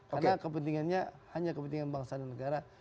karena kepentingannya hanya kepentingan bangsa dan negara